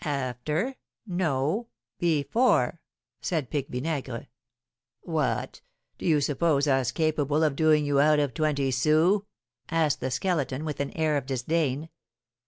"After? no before!" said Pique Vinaigre. "What! Do you suppose us capable of doing you out of twenty sous?" asked the Skeleton, with an air of disdain.